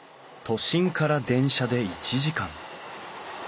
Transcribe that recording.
都心から電車で１時間。